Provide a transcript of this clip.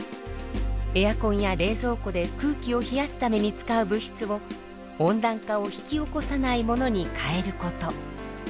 エアコンや冷蔵庫で空気を冷やすために使う物質を温暖化を引き起こさないものに変えること。